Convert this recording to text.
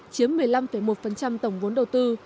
chiếm một mươi năm một tổng vốn đầu tư